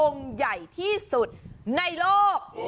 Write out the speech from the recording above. องค์ใหญ่ที่สุดในโลก